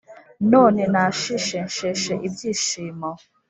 none nashishe nsheshe ibyishimo